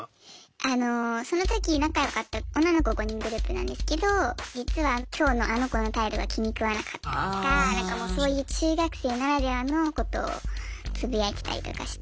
あのその時仲良かった女の子５人グループなんですけど実は今日のあの子の態度が気に食わなかったとかなんかもうそういう中学生ならではのことをつぶやいてたりとかして。